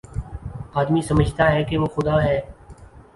آدمی سمجھتا ہے کہ وہ خدا ہے